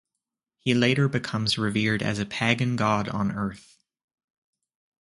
He later becomes revered as a pagan god on Earth.